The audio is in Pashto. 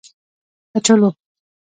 🥔 کچالو